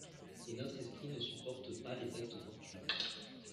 Et notre esprit ne supporte pas les actes fortuits.